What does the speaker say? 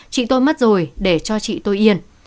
chị tôi mất rồi để cho chị tôi yên